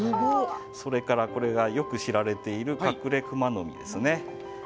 それから、よく知られているカクレクマノミですね。